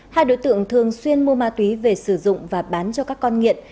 hai đối tượng thường xuyên mua ma túy về sử dụng và bán cho các con nghiện